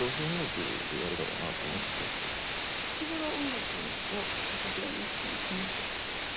いつごろ音楽を職業にっていうのを思った？